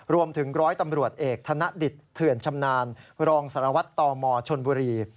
รวมถึงร้อยตำรวจเอกธนดิจเทวร์ชำนาญรองศตัวตรมชมบุรี